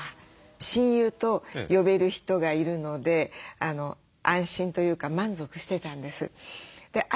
親友と呼べる人がいるので安心というか満足してたんです。